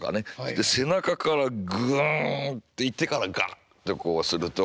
背中からグンっていってからガッてこうするとこう。